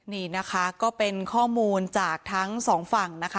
นี่นะคะก็เป็นข้อมูลจากทั้งสองฝั่งนะคะ